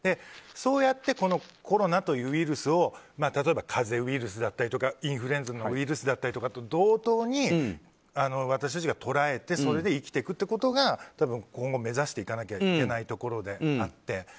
そうやってコロナというウイルスを例えば風邪ウイルスだったりとかインフルエンザのウイルスとかと同等に私たちが捉えてそれで生きていくということが今後、目指していかなきゃいけないところであって。